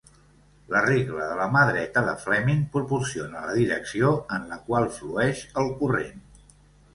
La regla de la mà dreta de Fleming proporciona la direcció en la qual flueix el corrent.